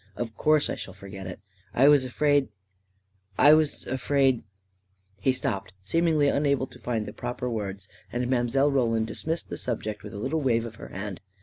" Of course I shall forget it. I was afraid — I was afraid ..." He stopped, seemingly unable to find the proper words, and Mile. Roland dismissed the subject with a little wave of her hand.